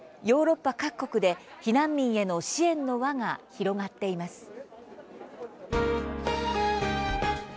ヨーロッパ各国で避難民への支援の輪が広がっています。